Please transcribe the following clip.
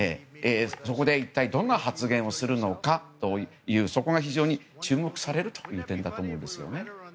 そこで一体どんな発言をするのかというそこが非常に注目されるという点だと思うんですよね。